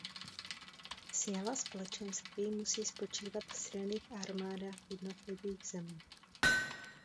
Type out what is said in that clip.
Síla Společenství musí spočívat v silných armádách jednotlivých zemí.